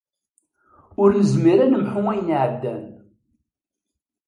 Ur nezmir ad nemḥu ayen iɛeddan.